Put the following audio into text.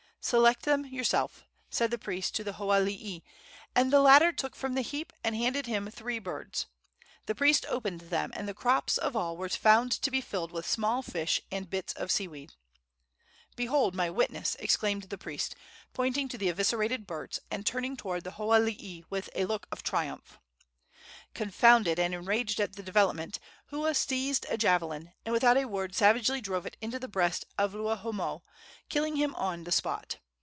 "Select them yourself," said the priest to the hoalii, and the latter took from the heap and handed to him three birds. The priest opened them, and the crops of all were found to be filled with small fish and bits of sea weed. "Behold my witness!" exclaimed the priest, pointing to the eviscerated birds, and turning toward the hoalii with a look of triumph. Confounded and enraged at the development, Hua seized a javelin, and without a word savagely drove it into the breast of Luahoomoe, killing him on the spot.